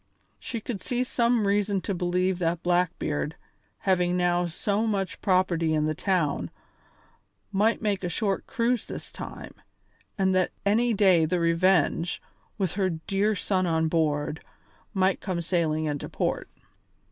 She could see some reason to believe that Blackbeard, having now so much property in the town, might make a short cruise this time, and that any day the Revenge, with her dear son on board, might come sailing into port.